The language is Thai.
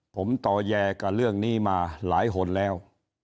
ผมต่อแยกับเรื่องนี้มาหลายคนแล้ว